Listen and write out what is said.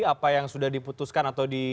apa yang sudah diputuskan atau di